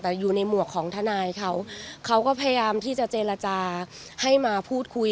แต่อยู่ในหมวกของทนายเขาเขาก็พยายามที่จะเจรจาให้มาพูดคุย